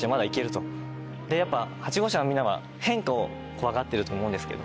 やっぱ８号車のみんなは変化を怖がってると思うんですけど